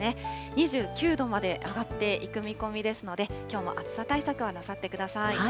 ２９度まで上がっていく見込みですので、きょうも暑さ対策はなさってください。